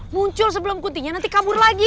muncul sebelum kuntinya nanti kabur lagi